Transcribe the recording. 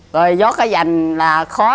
rồi vót cái vành là khó